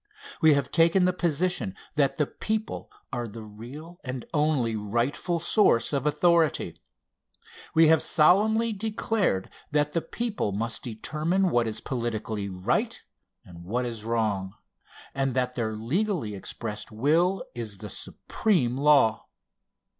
We have taken the position that the people are the real and only rightful source of authority. We have solemnly declared that the people must determine what is politically right and what is wrong, and that their legally expressed will is the supreme law.